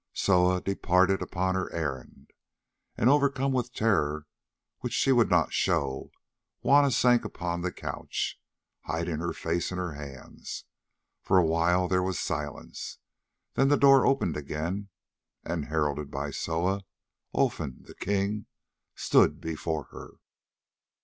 Soa departed upon her errand, and, overcome with terror which she would not show, Juanna sank upon the couch, hiding her face in her hands. For a while there was silence, then the door opened again and, heralded by Soa, Olfan, the king, stood before her.